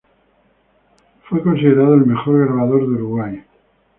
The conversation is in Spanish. Él fue considerado el mejor grabador de Uruguay.